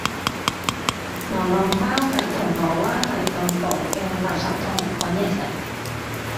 流浪貓喺銅鑼灣禮頓道嘅垃圾桶搵野食